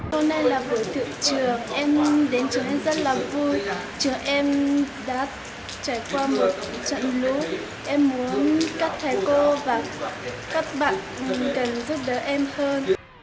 hôm nay là buổi tự trường em đến trường rất là vui chờ em đã trải qua một trận lũ em muốn các thầy cô và các bạn mình cần giúp đỡ em hơn